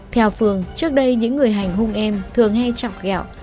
theo phương trước đây những người hành hùng em thường hay chọc gẹo